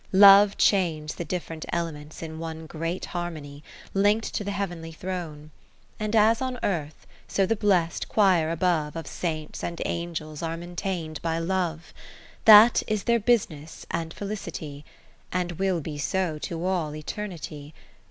Love chains the different Elements in one Great harmony, link'd to the Heav'nly Throne. And as on earth, so the blest quire above Of Saints and Angels aremaintain'd by Love ; 10 That is their business and felicity, And will be so to all Eternity.